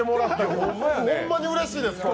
ほんまにうれしいです。